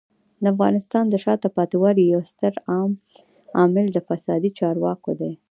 د افغانستان د شاته پاتې والي یو ستر عامل د فسادي چارواکو دی.